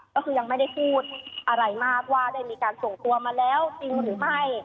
ก็คือยังไม่ได้พูดอะไรมากว่าได้มีการส่งตัวมาแล้วจริงหรือไม่